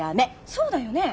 そうだよね。